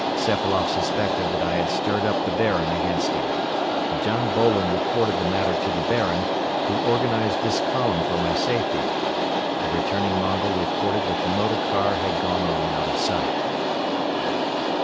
Sepailoff suspected that I had stirred up the Baron against him. Djam Bolon reported the matter to the Baron, who organized this column for my safety. The returning Mongol reported that the motor car had gone on out of sight.